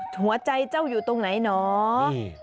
หัวใจเจ้าอยู่ตรงไหนเหรอ